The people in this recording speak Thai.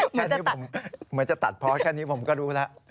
เหมือนจะตัดเหมือนจะตัดพอร์ตแค่นี้ผมก็รู้แล้ว